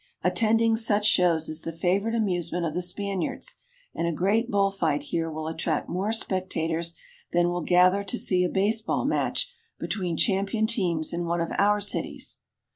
Attending such shows is the favorite amusement of the Spaniards, and a great bull fight here will attract more spectators than will gather to see a base ball match between champion teams in one of our cities.